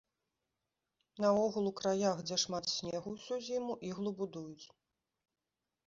Наогул у краях, дзе шмат снегу ўсю зіму, іглу будуюць.